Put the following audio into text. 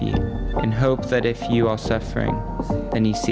dengan harapan jika anda menderita penyakit